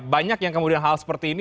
banyak yang kemudian hal seperti ini